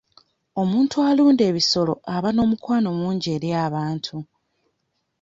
Omuntu alunda ebisolo aba n'omukwano mungi eri abantu.